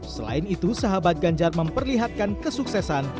selain itu sahabat ganjar memperlihatkan kesuksesan